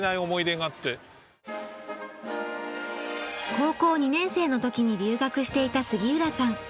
高校２年生の時に留学していた杉浦さん。